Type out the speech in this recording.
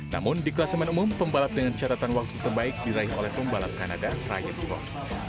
namun di kelasemen umum pembalap dengan catatan waktu terbaik diraih oleh pembalap kanada ryan rov